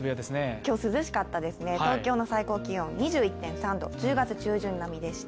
今日は涼しかったですね、東京の最高気温２１．３度、１０月中旬並みでした。